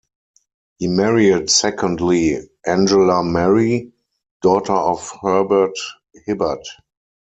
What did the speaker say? He married, secondly, Angela Mary, daughter of Herbert Hibbert.